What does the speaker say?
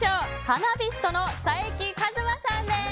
ハナビストの冴木一馬さんです。